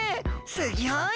すギョい！